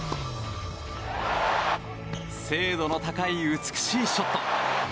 精度の高い美しいショット。